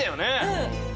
うん。